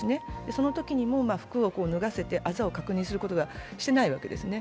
そのときにも服を脱がせて、あざを確認することはしていないわけですね。